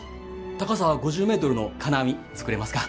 高さ５０メートルの金網作れますか？